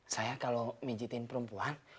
saya kalo menjitin perempuan